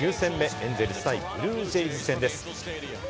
エンゼルス対ブルージェイズ戦です。